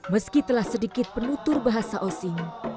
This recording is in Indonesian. meski telah sedikit penutur bahasa osing